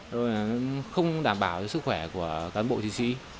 rồi là nó không đảm bảo sức khỏe của cán bộ chỉ sĩ